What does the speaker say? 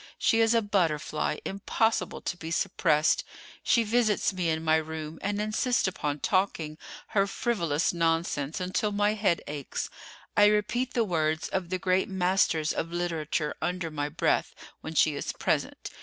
She is a butterfly, impossible to be suppressed. She visits me in my room and insists upon talking her frivolous nonsense until my head aches. I repeat the words of the great masters of literature, under my breath, when she is present.